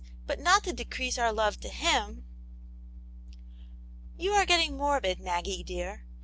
but not to decrease our love to Him." "You are getting morbid, Maggie dear.